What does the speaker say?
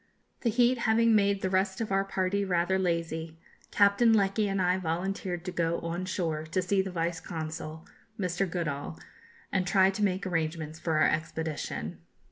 The heat having made the rest of our party rather lazy, Captain Lecky and I volunteered to go on shore to see the Vice Consul, Mr. Goodall, and try to make arrangements for our expedition.